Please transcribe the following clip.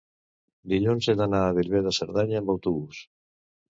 dilluns he d'anar a Bellver de Cerdanya amb autobús.